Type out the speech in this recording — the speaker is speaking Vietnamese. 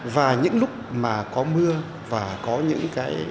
và những lúc mà có mưa và có những cái